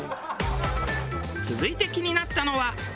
続いて気になったのは。